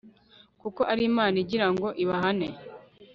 kuko ari imana igira go ibahane